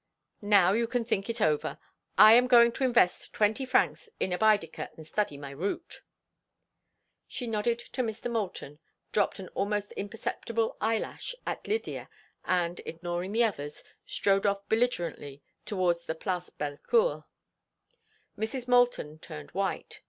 Now, you can think it over. I am going to invest twenty francs in a Baedeker and study my route." She nodded to Mr. Moulton, dropped an almost imperceptible eyelash at Lydia, and, ignoring the others, strode off belligerently towards the Place Bellecour. Mrs. Moulton turned white.